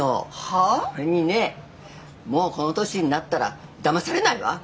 それにねもうこの年になったらだまされないわ。